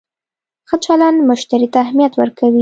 ښه چلند مشتری ته اهمیت ورکوي.